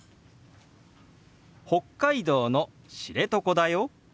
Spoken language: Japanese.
「北海道の知床だよ」。